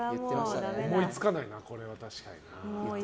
思いつかないな、これは確かに。